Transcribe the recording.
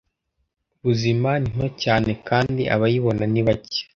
buzima ni nto cyane kandi abayibona ni bake